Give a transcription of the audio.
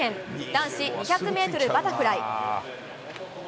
男子２００メートルバタフライ。